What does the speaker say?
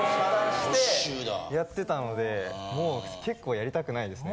してやってたので結構やりたくないですね。